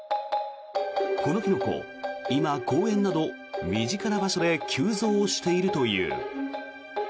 今、公園など身近な場所で急増しているという。